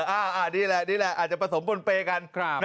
อ่าอ่านี่แหละนี่แหละอาจจะผสมบนเปรย์กัน